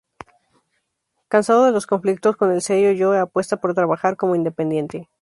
Cansado de los conflictos con el sello, Joe apuesta por trabajar como independiente.